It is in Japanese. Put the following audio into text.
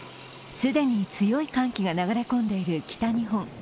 既に強い寒気が流れ込んでいる北日本。